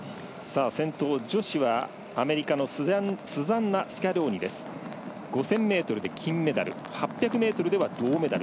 先頭、女子はアメリカのスザンナ・スキャローニ５０００ｍで金メダル。８００ｍでは銅メダル。